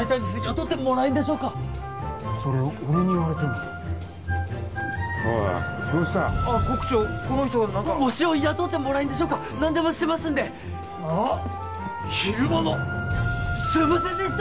雇ってもらえんでしょうかそれ俺に言われてもおいどうしたコック長この人何かわしを雇ってもらえんでしょうか何でもしますんで昼間のすいませんでした！